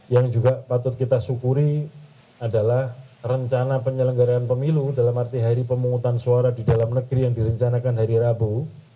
yang juga patut kita syukuri adalah rencana penyelenggaraan pemilu dalam arti hari pemungutan suara di dalam negeri yang direncanakan hari rabu